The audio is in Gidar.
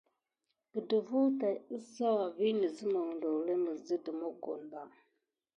Gədəfwa tät kisawa viŋ ne simick ndolé dide mokone ba.